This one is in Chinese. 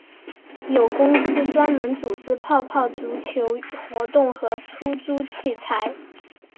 有公司专门组织泡泡足球活动和出租器材。